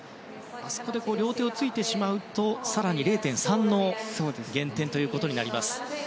あそこで両手をついてしまうと更に０．３の減点となります。